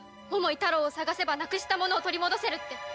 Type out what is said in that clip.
桃井タロウを探せばなくしたものを取り戻せるって。